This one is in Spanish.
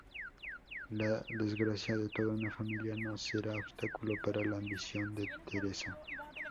La desgracia de toda una familia no será obstáculo para la ambición de Teresa.